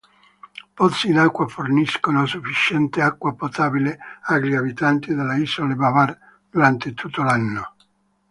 Pozzi d'acqua forniscono sufficiente acqua potabile agli abitanti delle isole Babar durante tutto l'anno.